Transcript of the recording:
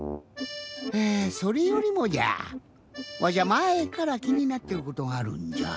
それよりもじゃわしゃまえからきになってることがあるんじゃ。